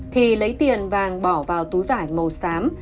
thì lấy tiền vàng bỏ vào túi vải màu xám